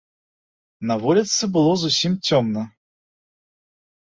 На вуліцы было зусім цёмна.